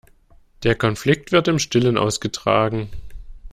Der Konflikt wird im Stillen ausgetragen.